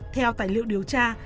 theo tài liệu điều tra